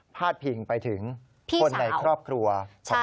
พาดพิงไปถึงคนในครอบครัวพี่สาว